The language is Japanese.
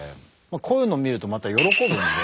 こういうのを見るとまた喜ぶんで。